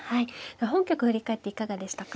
本局振り返っていかがでしたか。